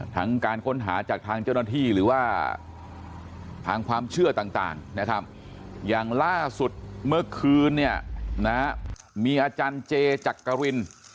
ทั้งการค้นหาจากทางเจ้าหน้าที่หรือว่าทางความเชื่อต่างนะครับอย่างล่าสุดเมื่อคืนเนี่ยนะมีอาจารย์เจจักริน